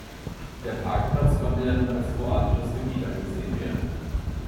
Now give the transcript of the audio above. Der Parkplatz konnte ja nun als kroatisches Gebiet angesehen werden.